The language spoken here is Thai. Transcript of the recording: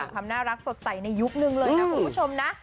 ความน่ารักสดใสในยุคนึงเลยนะคุณผู้ชมนะ